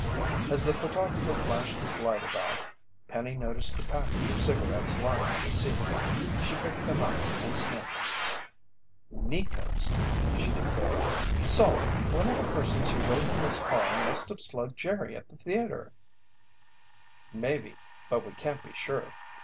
As the photographer flashed his light about, Penny noticed a package of cigarettes lying on the seat. She picked them up and sniffed. "Necos," she declared. "Salt, one of the persons who rode in this car must have slugged Jerry at the theater!" "Maybe, but we can't be sure.